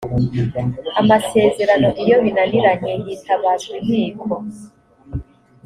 amasezerano iyo binaniranye hitabazwa inkiko